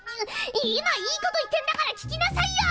今いいこと言ってんだから聞きなさいよ！